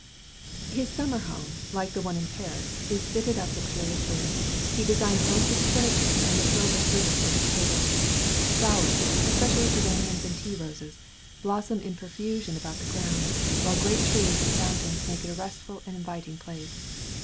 His summer home, like the one in Paris, is fitted up luxuriously. He designed most of the furniture and the silver service for his table. Flowers, especially geraniums and tea roses, blossom in profusion about the grounds, while great trees and fountains make it a restful and inviting place.